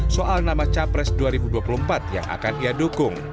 soal nama capres dua ribu dua puluh empat yang akan ia dukung